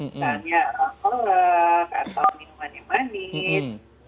misalnya kolek atau minuman yang manis